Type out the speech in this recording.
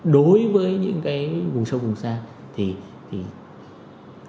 đối với những cái vùng sâu vùng xa thì có thể tạm dụng